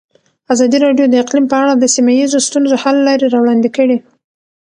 ازادي راډیو د اقلیم په اړه د سیمه ییزو ستونزو حل لارې راوړاندې کړې.